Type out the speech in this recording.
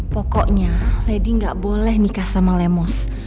pokoknya lady nggak boleh nikah sama lemos